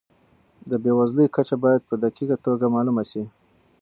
د بېوزلۍ کچه باید په دقیقه توګه معلومه سي.